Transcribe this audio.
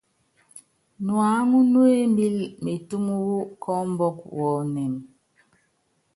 Nuáŋu nú embíli métúm wu kɔ́ɔmbɔk wɔnɛ́m.